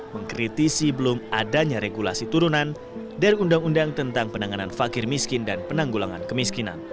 mengkritisi belum adanya regulasi turunan dari undang undang tentang penanganan fakir miskin dan penanggulangan kemiskinan